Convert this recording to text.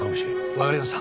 わかりました。